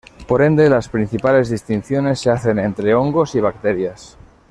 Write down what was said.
Por ende, las principales distinciones se hacen entre hongos y bacterias.